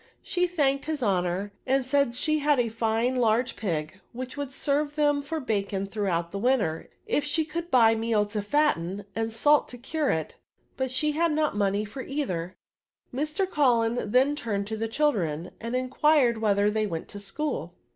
She thanked his honour, and said she had a fine large pig, which would serve them for bacoa throughout the winter, if she could buy meal to fatten, and salt to cure it ; but she had not money for either. Mr. CuUen then turned to the children, and inquired whether they went to school.